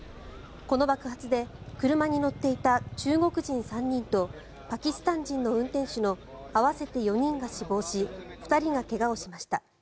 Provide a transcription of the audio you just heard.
この爆発で車に乗っていた中国人３人とパキスタン人の運転手の合わせて４人が死亡し２人が怪我をしました。